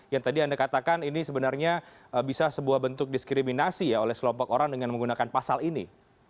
yang tadi anda katakan ini sebenarnya bisa sebuah bentuk diskriminasi oleh selompok orang dengan menggunakan pasal ini